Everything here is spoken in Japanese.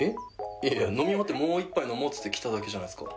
いやいや飲み終わってもう一杯飲もうっつって来ただけじゃないですか。